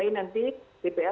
jangan kan menurut sekali